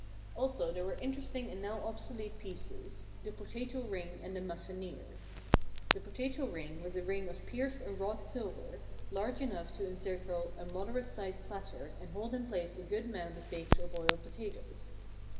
Also there were interesting and now obsolete pieces — the Potato Ring and the Muffineer. The Potato Ring was a ring of pierced and wrought silver, large enough to encircle a moderate sized platter and hold in place a good mound of baked or boiled potatoes.